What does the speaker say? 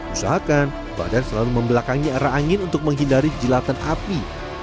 usahakan badan selalu membelakangi arah angin untuk menghindari jelatan api